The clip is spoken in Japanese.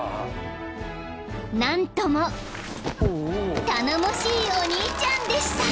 ［何とも頼もしいお兄ちゃんでした］